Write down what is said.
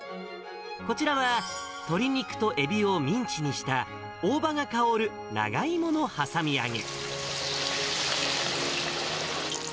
こちらは鶏肉とエビをミンチにした、大葉が香る長芋の挟み揚げ。